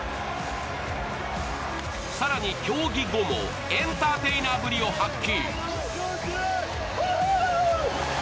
更に競技後もエンターテイナーぶりを発揮。